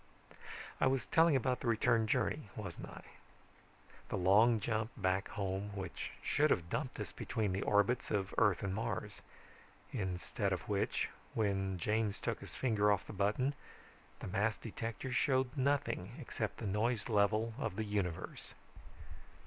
"I was telling about the return journey, wasn't I? The long jump back home, which should have dumped us between the orbits of Earth and Mars. Instead of which, when James took his finger off the button, the mass detector showed nothing except the noise level of the universe.